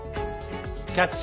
「キャッチ！